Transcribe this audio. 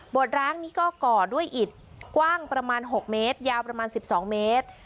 ร้างนี้ก็ก่อด้วยอิดกว้างประมาณ๖เมตรยาวประมาณ๑๒เมตร